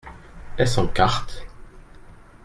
Est-ce en quarte ?